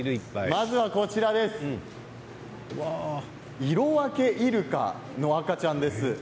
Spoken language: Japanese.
まずはイロワケイルカの赤ちゃんです。